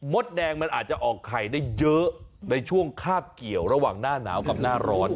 ดแดงมันอาจจะออกไข่ได้เยอะในช่วงคาบเกี่ยวระหว่างหน้าหนาวกับหน้าร้อน